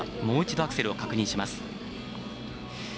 もう一度、アクセルを確認します。